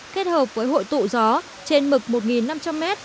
kết hợp với hội tụ gió trên mực một năm trăm linh m